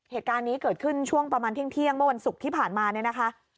เหตุการณ์นี้เกิดขึ้นช่วงประมาณเที่ยงเมื่อวันศุกร์ที่ผ่านมาเนี่ยนะคะ